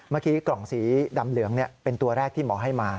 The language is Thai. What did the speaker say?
เมื่อกี้กล่องสีดำเหลืองเป็นตัวแรกที่หมอให้มา